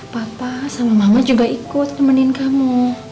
papa sama mama juga ikut nemenin kamu